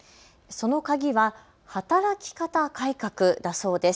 その鍵は働き方改革だそうです。